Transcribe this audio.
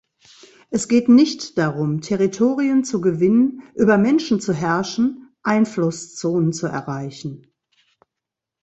Es geht nicht darum, Territorien zu gewinnen, über Menschen zu herrschen, Einflusszonen zu erreichen.